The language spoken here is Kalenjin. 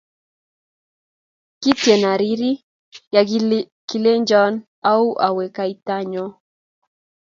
Kitean arir ya kilenchon auu awe kaitanyo